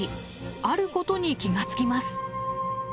あることに気が付きます。